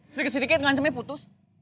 sedikit sedikit ngancemnya putus